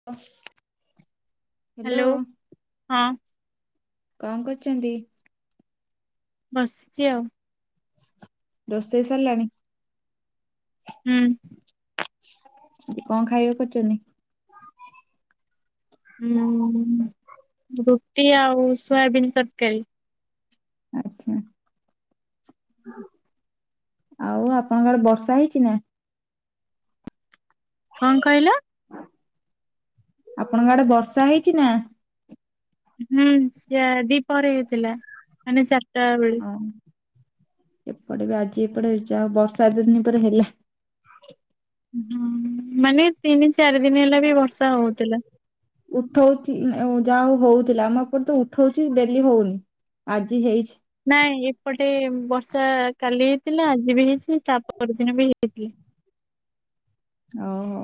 [inaudible] Hello ହଁ। କଣ କରୁଛନ୍ତି? ବସିଚି ଆଉ। ରୋଷେଇ ସରିଲାଣି। ହୁଁ। କଣ ଖାଇବାକୁ କରିଛନ୍ତି? ଉଁ ରୁଟି ଆଉ ସୋୟାବିନ୍ ତରକାରୀ। ଆଚ୍ଛା। ହୁଁ। ଆଉ ଆପଣଙ୍କର ବର୍ଷା ହେଇଛି ନା। କଣ କହିଲ? ଆପଣଙ୍କ ଆଡେ ବର୍ଷା ହେଇଛି ନା। ହୁଁ ଯେ ଦିପହରେ ହେଇଥିଲା ମାନେ ଚାରିଟା ବେଳେ। ହଁ ଏପଟେ ବି ଆଜି ଏପଟେ ଯଉ ବର୍ଷା ଆଜି ଏତେ ଦିନ ପରେ ହେଲା। ହୁଁ ମାନେ ତିନି ଚାରି ଦିନ ହେଲାଣି ବି ବର୍ଷା ହଉଥିଲା। ଉଠଉଛି ଆଉ ଯାହା ହଉ ହଉଥିଲା ଆମ ଏପଟେ ତ ଉଠଉଛି ଡେଲି ହଉନି ଆଜି ହେଇଛି। ନାଇଁ ଏପଟେ ବର୍ଷା କାଲି ହେଇଥିଲା ଆଜି ବି ହେଇଛି ତା ପରଦିନ ବି ହେଇଥିଲା। ଅଉ ହୋ।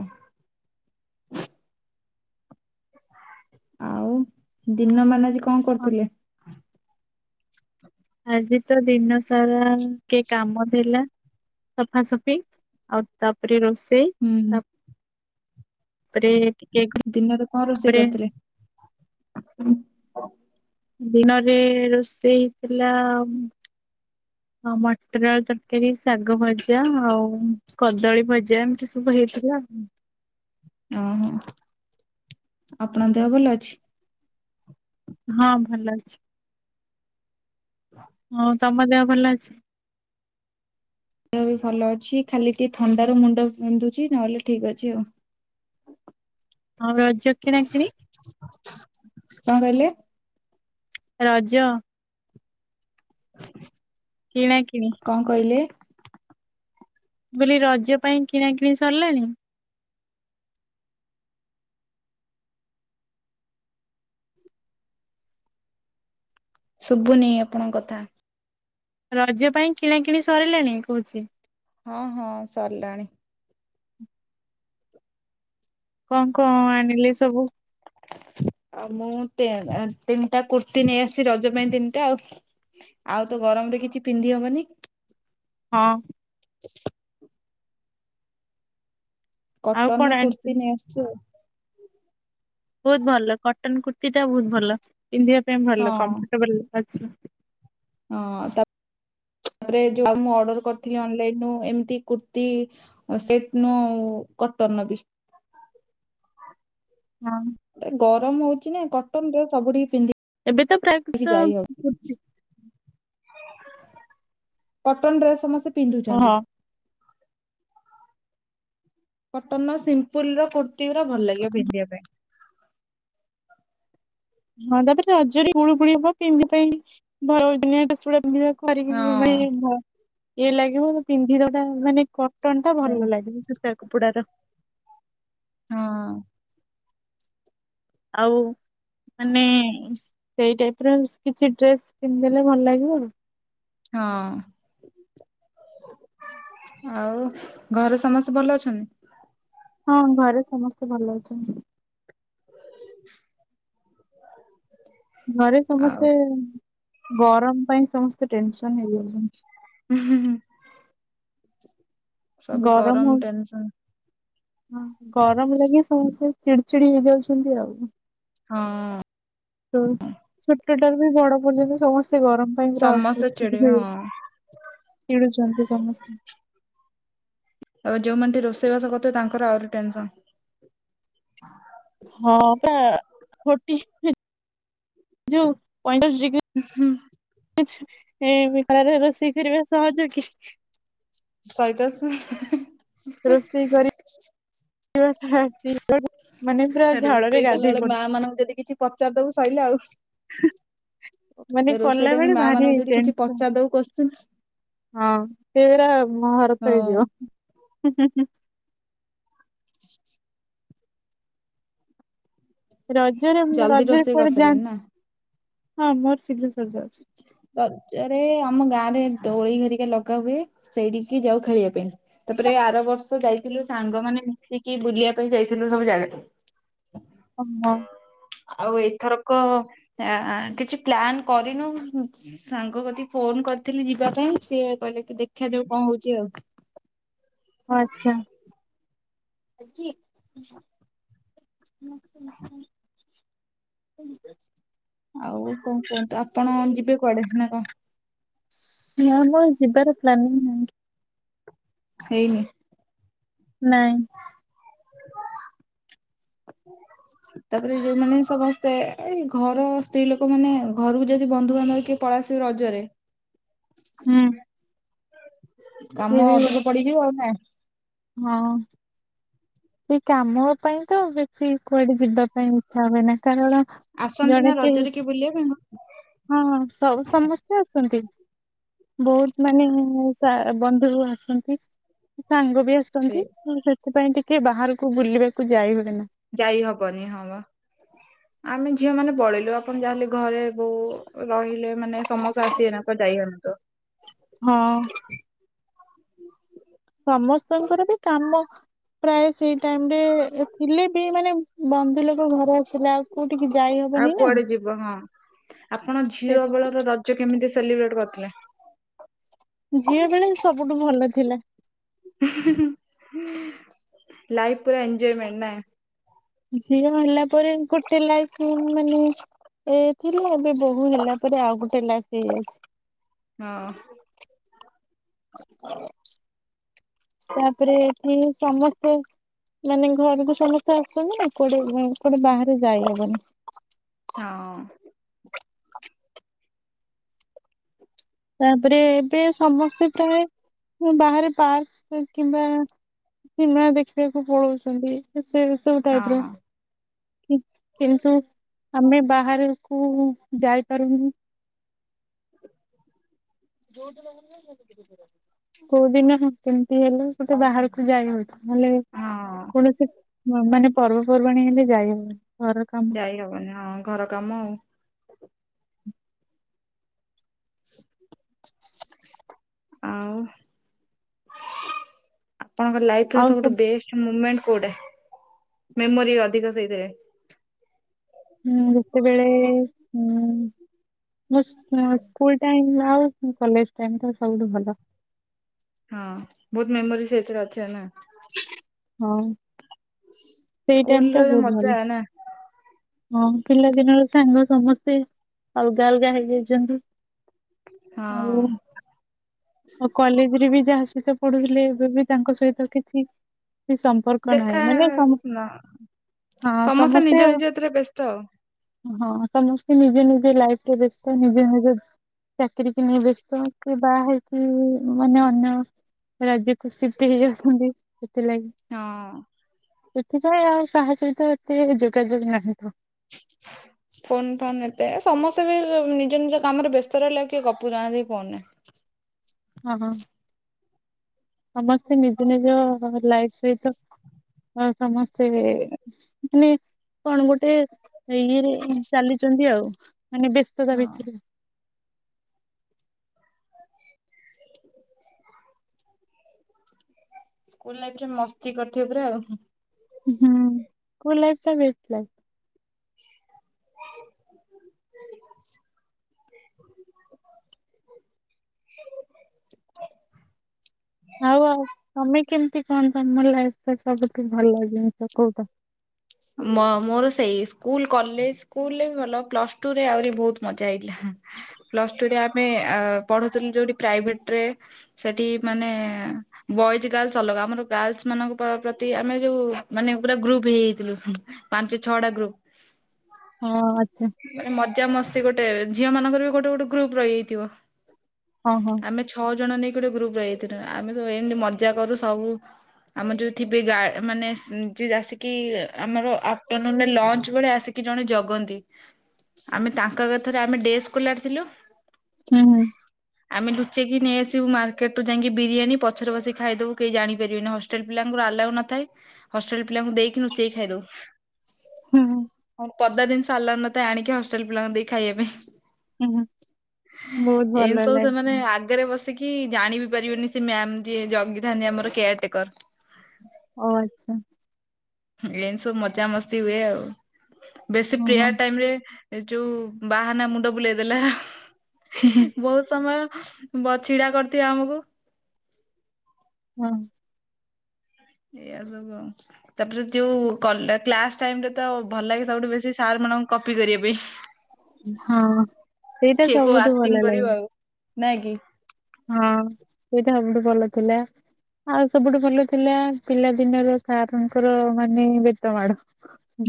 ଆଉ ଦିନ ମାନେ ଆଜି କଣ ହଁ କରୁଥିଲେ? ଆଜି ତ ଦିନ ସାରା ଟିକେ କାମ ଥିଲା। ସଫାସଫି ଆଉ ତାପରେ ରୋଷେଇ ହୁଁ ତା ପରେ ଦିନରେ କଣ ରୋଷେଇ କରିଥିଲ? ଦିନରେ ରୋଷେଇ ହେଇଥିଲା। ଟମାଟର ତରକାରୀ ଶାଗ ଭଜା ଆଉ କଦଳୀ ଭଜା ଏମିତି ସବୁ ହେଇଥିଲା ଆଉ। ଅଁ ହ ଆପଣ ଦେହ ଭଲ ଅଛି। ହଁ ଭଲ ଅଛି ହଁ ତମ ଦେହ ଭଲ ଅଛି। ମୁ ବି ଭଲ ଅଛି ଖାଲି ଟିକେ ଥଣ୍ଡାରୁ ମୁଣ୍ଡ ବିନ୍ଧୁଛି ନହେଲେ ଠିକ୍ ଅଛି ଆଉ। ହ ଆଉ ରଜ କିଣାକିଣି। କଣ କହିଲେ। ରଜ। କଣ କହିଲେ। କିଣା କିଣି। କଣ କହିଲେ। ବୋଲି ରଜ ପାଇଁ କିଣା କିିଣି ସରିଲାଣି। ଶୁଭୁନି ଆପଣଙ୍କ କଥା। ରଜ ପାଇଁ କିଣା କିିଣି ସରିଲାଣି କହୁଛି। ହଁ ହଁ ସରିଲାଣି। କଣ କଣ ଆଣିଲି ସବୁ। ଆଉ ମୁଁ ତିନ୍ ତିନିଟା କୁର୍ତ୍ତି ନେଇଆସିଚି ରଜ ପାଇଁ ତିନିଟା ଆଉ। ଆଉ ତ ଗରମ ରେ କିଛି ପିନ୍ଧି ହବନି। ହଁ। [inaudible] ଆଉ କଟନ କଣ ର ଆଣିଚୁ? କୁର୍ତ୍ତିୀ ନେଇ ଆସିଛୁ ଆଉ। ବହୁତ ଭଲ କଟନ କୁର୍ତ୍ତତିଟା ବହୁତ ଭଲ ପିନ୍ଧିବା ପାଇଁ ଭଲ ହଁ କମ୍ଫର୍ଟେବଲ ଅଛି। ହଁ ତାପରେ ଯୋଉ ଆଉ ମୁଁ ଅର୍ଡର କରିଥିଲି ଅନଲାଇନ ରୁ ଏମିତି କୁର୍ତି ଆ ସେଇଟି ନୁ କଟନ ର ବି। ହଁ। ଏ ଗରମ ହଉଛି ନା କଟନରେ ସବୁଠିକି ପିନ୍ଧି ଏବେ ତ ପ୍ରାକୃତ କୁର୍ତ୍ତୀ। କଟନ ଡ୍ରେସ୍ ସମସ୍ତେ ହଁ ପିନ୍ଧୁଛନ୍ତି। କଟନ ର ସିମ୍ପୁଲ ର କୁର୍ତ୍ତିୀୁ ଉରା ଭଲ ଲାଗିବ ପିନ୍ଧିବା ପାଇଁ। ହଁ ତାପରେ ତ ରଜରେ ଗୁଳୁ ଗୁଳି ହବ କେମିତି ପାଇଁ ଭରଵ ଦିନିଆ ବିଶ୍ଵା ପିନ୍ଧିବ। କରିକି ମାନେ ଇଏ ଭ ଇଏ ଲାଗିବ ମୁ ପିନ୍ଧି ଦବାଟା ମାନେ କ କଟନ୍ ଟା ହଁ। ଭଲ ଲାଗେ ସୁତା କପଡା ଟା। ହଁ। ଆଉ ମାନେ ସେଇ ଟାଇପ ର କିଛି ଡ୍ରେସ ପିନ୍ଧଲେ ଭଲ ଲାଗିବ ଆଉ ହଁ। ଆଉ ଘରେ ସମସ୍ତେ ଭଲ ଅଛନ୍ତି? ହଁ ଘରେ ସମସ୍ତେ ଭଲ ଅଛନ୍ତି। [inaudible] ଘରେ ଆଉ ସମସ୍ତେ ଗରମ ପାଇଁ ସମସ୍ତେ ଟେନସନ ହେଇଯାଉଛନ୍ତି। ହୁଁୁୁଁ ସବୁ ଗରମ ଟେନସନ। ହ ଗରମ ଲାଗି ସମସ୍ତେ ଚିଡଚିଡି ହେଇଯାଉଛନ୍ତି ଆଉ। ହଁ। ଛୋଟଟାରୁ ବି ବଡ ପର୍ଯ୍ୟନ୍ତ ସମସ୍ତେ ଗରମ ପାଇଁ ପୁରା ସମସ୍ତେ ଆସ୍ଵସ୍ତିକ ଚିଡିବେ ହୁଏ। ହଁ। ଛିଡ଼ୁଛନ୍ତି ସମସ୍ତେ? ଯୋଉମାନେଟି ରୋଷେଇବାସ କରୁଥିବେ ତାଙ୍କର ଆହୁରି ଟେନସନ। ହଁ ଫୋଟି। ଯୋଉ ପାଇଁଚାଳିସ ଡିଗ୍ରୀ? ଉ ହୁଁ ଏ ରୋଷେଇ କରିବା ସହଜ କି? ସହେଦସ। ରୋଷେଇ କରି [inaudible] ପୁରା ଝାଳରେ ରୋଷେଇ କଲା ଗାଧେଇ ବେଳେ ମା ପଡିଥିବ ମାନଙ୍କୁ ଯଦି କିଛି ପଚାର ଦବୁ ସରିଲା ଆଉ? ତ ମାନେ ରୋଷେଇ କଲା ଟାଇମରେ ବେଳେ ମା ଭାରି ମାନଙ୍କୁ ଯଦି କିଛି ଟେନ୍ସନ୍। ପଚାରିଦବୁ କୋଶ୍ଚିନ୍ ହଁ ସେ ପୁରା ହଁ ମହାଭାରତ ହେଇଯିବ। [inaudible] ରଜରେ ଏମିତି ଜଲଦି ରଜରେ ରୋଷେଇ କୁଆଡେ କରିସାରିଲେଣି ନା? ଯାଆନ୍ତି ହଁ ମୋର ସିଦ୍ଧେଶ୍ୱର ଯାଉଛି। ରଜରେ ଆମ ଗାଁ ରେ ଦୋଳିହେରିକା ଲଗା ହୁଏ। ସେଇଠିକି ଯାଉ ଖେଳିବା ପାଇଁ। ତାପରେ ଆର ବର୍ଷ ଯାଇଥିଲୁ ସାଙ୍ଗ ମାନେ ମିଶିକି ବୁଲିବା ପାଇଁ ଯାଇଥିଲୁ ସବୁ ଜାଗାକୁୁ। ହ [inaudible] ହ ହଁ। ଆଉ ଏଥରକ କିଛି ପ୍ଲାନ କରିନୁ? ସାଙ୍ଗ କତିିକି ଫୋନ କରିଥିଲି ଯିବା ପାଇଁ ସିଏ କହିଲେ କି ଦେଖାଯାଉ କଣ ହଉଛି ଆଉ? ଓ ଆଚ୍ଛା କି? ହ [inaudible] ଆଉ କଣ କୁହନ୍ତୁ ଆପଣ ଯିବେ କୁଆଡେ ନା କଣ? ହ ମୁଁ ମୋର ଯିବାର ପ୍ଲାନିଂ ନାହିଁ। ହେଇନି। ନାଇଁ। [inaudible] ତାପରେ ଯୋଉମାନେ ସମସ୍ତେ ଏଇ ଘର ସ୍ତ୍ରୀ ଲୋକ ମାନେ ଘରକୁ ଯଦି ବନ୍ଧୁବାନ୍ଧବ କିଏ ପଳେଇଆସିବେ ରଜରେ। ହୁଁ। ସିଏ କାମ ବି ଅଧିକ ଗୋଟେ ପଡିଯିବ ଆଉ ନା? ହଁ। ସେ କାମ ପାଇଁ ତ ବେଶି କୁଆଡେ ଯିବା ପାଇଁ ଇଚ୍ଛା ହୁଏନାହିଁ କାରଣ ଆସନ୍ତି ଜଣେ ନା କେହି ରଜରେ କିଏ ବୁଲିବା ପାଇଁ [unintelligible] ହଁ ହଁ ସ ସମସ୍ତେ ଆସନ୍ତି ବହୁତ ମାନେ ସା ଆ ବନ୍ଧୁ ଆସନ୍ତି ସାଙ୍ଗ ବି ସେ ଆସନ୍ତି ଅ ସେଥିପାଇଁ ଟି ଟିକେ ବାହାରକୁ ବୁଲିବାକୁ ଯାଇହୁଏନା। ଯାଇ ହବନି ହଁ ବା। ଆମେ ଝିଅ ମାନେ ପଳେଇଲୁ ଆପଣ ଯାହା ହେଲେ ଘରେ ବୋଉ ରହିଲେ ମାନେ ସମସ୍ତେ ଆସିିବେନା କୁଆଡେ ଯାଇହଉନଥିବ। ହଁ। ସମସ୍ତଙ୍କର ବି କାମ ପ୍ରାୟେ ସେଇ ଟାଇମ ରେ ଥିଲେ ବି ମାନେ ବନ୍ଧୁ ଲୋକ ଘରେ ଆସିଲା ସ କୋଉଠିକି ଯାଇହବ ଆଉ କୁଆଡେ ଯିବ ହଁ ଆପଣ ସେ ଝିଅ ବେଳର ରଜ କେମିତି ସେଲିବ୍ରେଟ କରିଥିଲେ? ଝିଅ ବେଳେ ସବୁଠୁ ଭଲ ଥିଲା। ହୁଁ ହୁଁ ହୁଁ ଲାଇଫ୍ ପୁରା ଏଞ୍ଜଜୟମେଣ୍ଟ ନା? ଝିଅ ହେଲା ପରେ ଗୋଟେ ଲାଇଫ୍ ଉଁ ମାନେ ଏ ଥିଲା ଏବେ ବୋହୂ ହେଲା ପରେ ଆଉ ଗୋଟେ ଲାଇଫ ହେଇଯାଇଛି। ହଁ। [inaudible] ତାପରେ ଏଠି ସମସ୍ତେ ମାନେ ଘରକୁ ସମସ୍ତେ ଆସନ୍ତିନା କୁଆଡେ ଉଁ କୁଆଡେ ବାହାରେ ଯାଇହବନି। ହଁ। ତାପରେ ଏବେ ସମସ୍ତେ ପ୍ରାୟେ ଉଁ ବାହାରେ ପାର୍କ କିମ୍ବା ସିନେମା ଦେଖିବାକୁ ପଳଉଛନ୍ତି ସେ ସବୁ ଟାଇପ୍ ର। ହଁ। ହୁଁ କିନ୍ତୁ ଆମେ ବାହାରକୁ ଯାଇପାରୁନୁ। ଯୋଉ ଦିନ ହେଲେ [unintelligible] କୋଉ ଦିନ ହେଁ କେମିତି ହେଲେ ଗୋଟେ ବାହାରକୁ ଯାଇହଉଛି। ନହଲେ ହଁ କୌଣସି ମ ମାନେ ପର୍ବପର୍ବାଣୀ ହେଲେ ଯାଇହବନି ଘରର କାମ ଯାଇ ହବନି ହଁ ଘର କାମ ଆଉ। ଆଉ? ଆପଣଙ୍କ ଲାଇଫ ର ଆଉ ସବୁଠୁ ସବୁ ବେଷ୍ଟ ମୁମେଣ୍ଟ କୋଉଟା ମେମୋରି ଅଧିକ ସେଇଥିରେ? ହୁଁ ଯେତେବେଳେ ହୁଁ। ମୋ ସୁ ଉଁ ସ୍କୁଲ ଟାଇମ ଆଉ କଲେଜ ଟାଇମ ତ ସବୁଠୁ ଭଲ। ହଁ ବହୁତ ମେମୋରି ସେଇଥିରେ ଅଛି ଆଉ ନା? ହଁ। ସେଇ ସ୍କୁଲ୍ ଟାଇମ୍ ଟା ର ଏ ବହୁତ ଭଲ ମଜା ନା? ହଁ ପିଲାଦିନର ସାଙ୍ଗ ସମସ୍ତେ ଅଲଗା ଅଲଗା ହେଇଯାଇଛନ୍ତି। ଆଉ ହଁ। ଆଉ କଲେଜରେ ବି ଯାହା ସହିତ ପଢୁଥିଲେ ଏବେ ବି ତାଙ୍କ ସହିତ କିଛି ଏ ସ ଦେଖା ନ ସମସ୍ତେ ନିଜ ନିଜ ତିରେ ବ୍ୟସ୍ତ ଆଉ। ହଁ ସମସ୍ତେ ନିଜେ ନିଜେ ଲାଇଫରେ ବ୍ୟସ୍ତ ନିଜେ ନିଜେ ଚାକିରି କି ନେଇ ବ୍ୟସ୍ତ କିଏ ବାହା ହେଇ ଉଁ ମାନେ ଅନ୍ୟ ରାଜ୍ୟକୁ ସିଫ୍ଟ ହେଇଆସନ୍ତି। ସେଥିଲାଗି ହଁ। ସେଥିପାଇଁ ଆଉ କାହା ସହିତ ଏତେ ଯୋଗାଯୋଗ ନାହିଁ ତ। [inaudible] ଫୋନ୍ ଫାନ୍ ଏତେ ସମସ୍ତେ ବି ନିଜ ନିଜ କାମରେ ବ୍ୟସ୍ତ ରହିଲେ ଆଉ କିଏ ଗପୁନାହାଁନ୍ତି ଫୋନରେ। ହଁ ହଁ ସମସ୍ତେ ନିଜ ନିଜ ଲାଇଫ ସହିତ ଆଉ ସମସ୍ତେ ମାନେ କଣ ଗୋଟେ ଇଏରେ ଚାଲିଚନ୍ତି ଆଉ ମାନେ ବ୍ୟସ୍ତତା ହଁ। ଭିତରେ। ସ୍କୁଲ୍ ଲାଇଫରେ ମସ୍ତି କରିଥିବେ ପୁରା ଆଉ ଉଁ ହୁଁ। ହୁଁ ସ୍କୁଲ୍ ଲାଇଫଟା ବେଷ୍ଟ ଲାଇଫ୍। ଆଉ ଆଉ ତମେ କେମିତି କଣ ତମ ଲାଇଫରେ ସବୁଠୁ ଭଲ ଜିନିଷ କୋଉଟା? ମ ମୋର ସେଇ ସ୍କୁଲ୍ କଲେଜ୍ ସ୍କୁଲରେ ଭଲ ପ୍ଲସ୍ ଟୁରେ ଆହୁରି ବହୁତ୍ ମଜା ହେଇଥିଲା। ପ୍ଲସ୍ ଟୁରେ ଆମେ ଅଁ ପଢୁଥିଲୁ ଯୋଉଠି ପ୍ରାଇଭେଟରେ ସେଠି ମାନେ ବଏଜ୍ ଗାର୍ଲସ ଅଲଗା ଆମର ଗାର୍ଲସ ମାନଙ୍କ ପା ପ୍ରତି ଆମେ ଯୋଉ ମାନେ ପୁରା ଗ୍ରୁପ୍ ହେଇଯାଇଥିଲୁ ହୁ ପାଞ୍ଚ ଛଅଟା ଗ୍ରୁପ୍। ହଁ ଆଛା। ମାନେ ମଜା ମସ୍ତି ଗୋଟେ ଝିଅ ମାନଙ୍କରବି ଗୋଟେ ଗୋଟେ ଗ୍ରୁପ୍ ରହିଯାଇଥିବ। ହଁ ହଁ। ଆମେ ଛଅ ଜଣ ନେଇକି ଗୋଟେ ଗ୍ରୁପରେ ରହିଯାଇଥିଲୁ ଆମେ ସବୁ ଏମିତି ମଜା କରୁ ସବୁ ଆମର ଯୋଉ ଥିବେ ଗା ମାନେ ଯେ ଆସିକିି ଆମର ଆଫ୍ଟରନୁନରେ ଲଞ୍ଚ ବେଳେ ଆସିକି ଜଣେ ଜଗନ୍ତି ଆମେ ତାଙ୍କ କଥାରେ ଆମେ ଡେସ୍ ସ୍କୋଲାର ଥିଲୁ ହୁଁ ହୁଁ। ଆମେ ଲୁଚେଇକି ନେଇଆସିବୁ ମାର୍କେଟରୁୁ ଯାଇକି ବିରିୟାନୀ ପଛରେ ବସି ଖାଇଦବୁ କେହି ଜାଣିପାରିବେନି ହ ହଷ୍ଟେଲ ପିଲାଙ୍କୁ ଆଲାଉ ନଥାଏ ହଷ୍ଟେଲ ପିଲାଙ୍କୁ ଦେଇକି ଲୁଚେଇ ଖାଇଦଉ। ହୁଁ ହୁଁ। ଆମର ପଦା ଜିନିଷ ଆଲାଉ ନଥାଏ ଆଣିକି ହଷ୍ଟେଲ ପିଲାଙ୍କୁ ଦେଇ ଖାଇବା ପାଇଁ। ହୁଁ ହୁଁ ବହୁତ ଭଲ ଏମିତି ସବୁ ଲାଗେ ସେମାନେ ଆ ଆଗରେ ବସିକି ଜାଣିବି ପାରିବେନି ସେ ମ୍ୟାମ୍ ଯିଏ ଜଗିଥାନ୍ତି ଆମର କେୟାରଟେକର। ଓ ଆଚ୍ଛା। ଏମିତି ସବୁ ମଜା ମସ୍ତି ହୁଏ ଆଉ ବେଶୀ ଓ ହୋ ପ୍ରେୟାର ଟାଇମରେ ଏ ଯୋଉ ବାହାନା ମୁଣ୍ଡ ବୁଲେଇ ଦେଲା ହୁଁ ହୁଁ ବହୁତ୍ ସମୟ ବ ଛିଡ଼ା କରିଥିବେ ଆମକୁ ହଁ। ଏଇଆ ସବୁ ଆଉ। ତାପରେ ଯୋଉ କଲେ କ୍ଲାସ୍ ଟାଇମରେତ ଭଲ ଲାଗେ ସବୁଠୁ ବେଶୀ ସାର୍ ମାନଙ୍କୁ କପି କରିବା ପାଇଁ। [inaudible] ହଁ ସେଇଟା ସବୁଠୁ ଭଲ ଲାଗେ। ନାଁ କି। ହଁ ସେଇଟା ସବୁଠୁ ଭଲ ଥିଲା। ଆଉ ସବୁଠୁ ଭଲ ଥିଲା ପିଲାଦିନର ସାରଙ୍କର ମାନେ ବେତ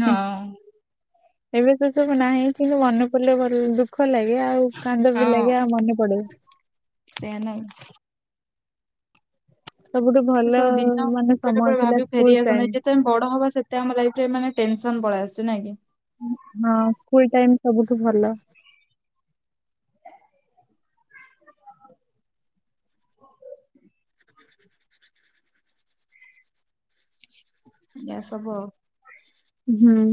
ହଁ [inaudible] ଏବେ ସେସବୁ ନାହିଁ କିନ୍ତୁ ମନେ ପଡ଼ିଲେ ଭାରି ଦୁଃ ଖ ଲାଗେ ଆଉ କାନ୍ଦବି ଲାଗେ ଆଉ ମନେ ପଡ଼େ। ସେଇଆ ନୁଁହକି। ସବୁଠୁ ସେସବୁ ଭଲ ଦିନ ମାନେ ବେଳେ ସମୟ ବେଳେ ଥିଲା ଭାବେ ସ୍କୁଲ ଫେରି ଟାଇମ ଆସନ୍ତାକି ଯଦି ଯେତେ ଆମେ ବଡ଼ ହବା ସେତେ ଆମ ଲାଇଫରେ ମାନେ ଟେନସନ୍ ପଳେଇ ଆସୁଚି ନାଇକି। ହଁ ସ୍କୁଲ୍ ଟାଇମ୍ ସବୁଠୁ ଭଲ। ଏଇଆ ସବୁ ଆଉ। ହୁଁ।